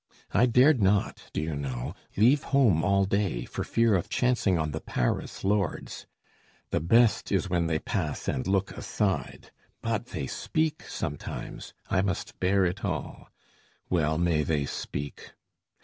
I dared not, do you know, leave home all day, For fear of chancing on the Paris lords. The best is when they pass and look aside; But they speak sometimes: I must bear it all. Well may they speak!